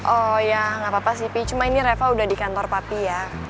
oh ya nggak apa apa sih pc cuma ini reva udah di kantor papi ya